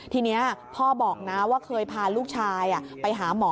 ทีนี้พ่อบอกนะว่าเคยพาลูกชายไปหาหมอ